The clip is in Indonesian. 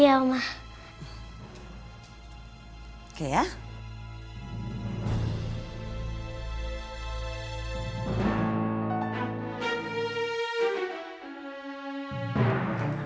aku mau ke sana